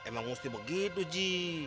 emang harus begitu ji